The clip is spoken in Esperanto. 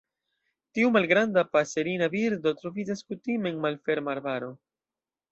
Tiu malgranda paserina birdo troviĝas kutime en malferma arbaro.